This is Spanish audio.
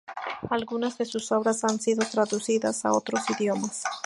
Algunas de sus obras han sido traducidas a otros idiomas.